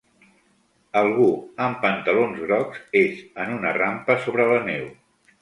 Algú amb pantalons grocs és en una rampa sobre la neu.